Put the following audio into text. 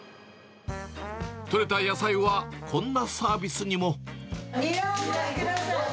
取れた野菜は、こんなサービスにも。